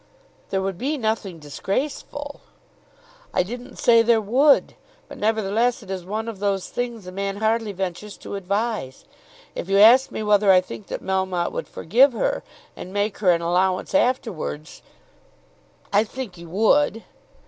"There would be nothing disgraceful." "I didn't say there would; but nevertheless it is one of those things a man hardly ventures to advise. If you ask me whether I think that Melmotte would forgive her, and make her an allowance afterwards, I think he would."